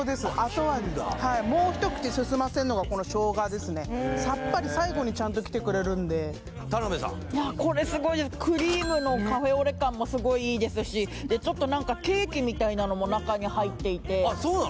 後味はいのがこの生姜ですねさっぱり最後にちゃんときてくれるんで田辺さんいやこれすごいですもすごいいいですしちょっと何かケーキみたいなのも中に入っていてあっそうなの？